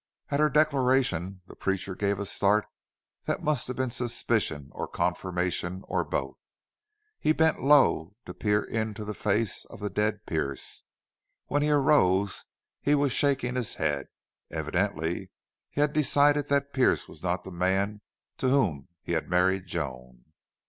At her declaration the preacher gave a start that must have been suspicion or confirmation, or both. He bent low to peer into the face of the dead Pearce. When he arose he was shaking his head. Evidently he had decided that Pearce was not the man to whom he had married Joan.